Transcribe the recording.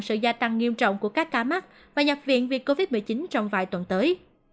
sự gia tăng nghiêm trọng của các ca mắc và nhập viện vì covid một mươi chín trong vài tuần tới